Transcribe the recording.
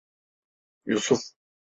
Yusuf!